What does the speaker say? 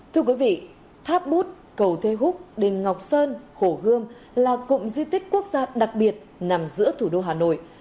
thưa quý vị tháp bút cầu thế húc đền ngọc sơn hồ gươm là cụm di tích quốc gia đặc biệt nằm giữa thủ đô hà nội